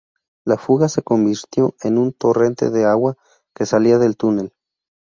La fuga se convirtió en un torrente de agua que salía del túnel.